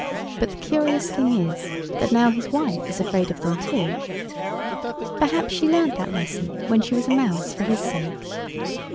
But the curious thing is that now his wife is afraid of them too. Perhaps she learnt that lesson when she was a mouse for his sake.